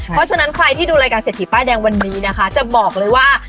เพราะฉะนั้นใครที่ดูรายการเศรษฐีป้ายแดงวันนี้นะคะจะบอกเลยว่า